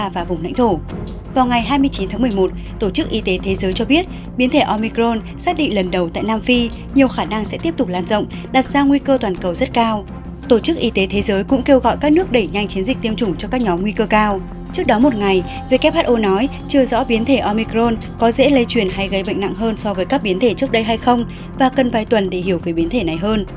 who nói chưa rõ biến thể omicron có dễ lây truyền hay gây bệnh nặng hơn so với các biến thể trước đây hay không và cần vài tuần để hiểu về biến thể này hơn